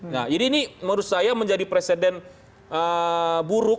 jadi ini menurut saya menjadi presiden buruk